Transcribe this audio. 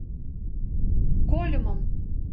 Кольмым!